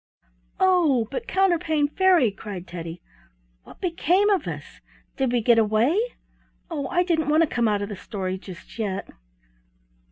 "Oh! but, Counterpane Fairy," cried Teddy, "what became of us? Did we get away? Oh, I didn't want to come out of the story just yet!"